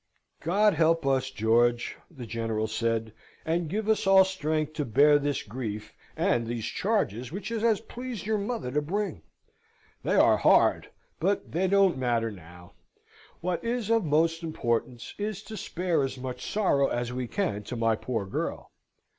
"God help us, George!" the General said, "and give us all strength to bear this grief, and these charges which it has pleased your mother to bring! They are hard, but they don't matter now. What is of most importance, is to spare as much sorrow as we can to my poor girl.